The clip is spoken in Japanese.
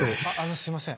すいません。